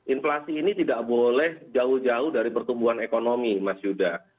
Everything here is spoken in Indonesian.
inflasi ini tidak boleh jauh jauh dari pertumbuhan ekonomi mas yuda